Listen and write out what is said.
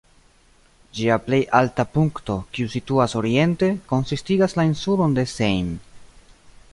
Ĝia plej alta punkto, kiu situas oriente, konsistigas la insulon de Sein.